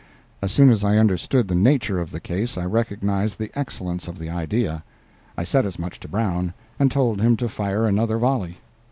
As soon as I understood the nature of the case I recognized the excellence of the idea. I said as much to Brown, and told him to fire another volley.